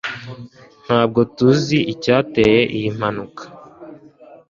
Ntabwo tuzi icyateye iyi mpanuka.